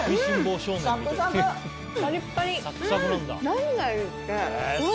何がいいって。